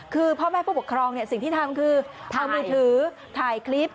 คือพ่อแม่ผู้ปกครองสิ่งที่ทำคือทำมือถือถ่ายคลิป